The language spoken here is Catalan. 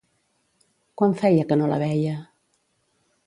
Quant feia que no la veia?